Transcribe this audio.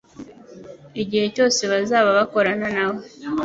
Igihe cyose bazaba bakorana na we,